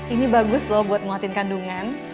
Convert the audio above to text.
ini bagus loh buat muatin kandungan